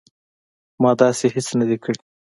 ما داسې هیڅ نه دي کړي